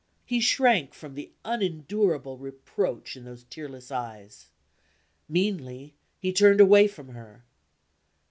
He shrank from the unendurable reproach in those tearless eyes. Meanly, he turned away from her.